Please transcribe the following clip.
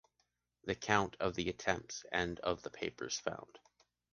The count of the attempts and of the papers found.